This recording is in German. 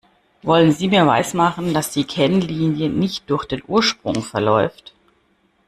Wollen Sie mir weismachen, dass die Kennlinie nicht durch den Ursprung verläuft?